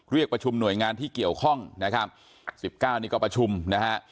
เรียกประชุมหน่วยงานที่เกี่ยวข้องนะครับ๑๙นี่ก็ประชุมนะฮะ